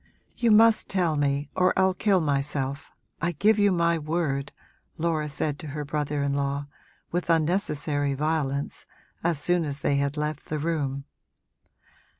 'You must tell me or I'll kill myself I give you my word!' Laura said to her brother in law, with unnecessary violence, as soon as they had left the room.